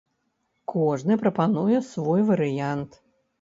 Кожны прапануе свой варыянт.